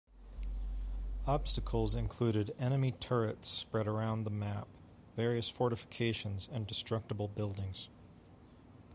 Obstacles included enemy turrets spread around the map, various fortifications and destructible buildings.